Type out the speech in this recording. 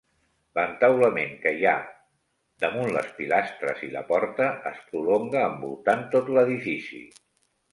L'entaulament que hi ha damunt les pilastres i la porta es prolonga envoltant tot l'edifici.